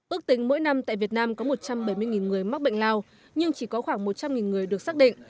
ước tính mỗi năm tại việt nam có một trăm bảy mươi người mắc bệnh lao nhưng chỉ có khoảng một trăm linh người được xác định